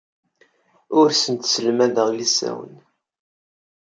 Ur asent-sselmadeɣ ilsawen.